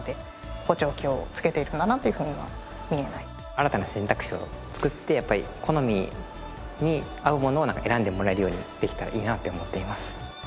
新たな選択肢を作ってやっぱり好みに合うものを選んでもらえるようにできたらいいなって思っています。